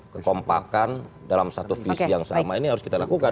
kekompakan dalam satu visi yang sama ini harus kita lakukan